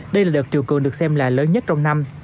đây là đợt triều cường được xem là lớn nhất trong năm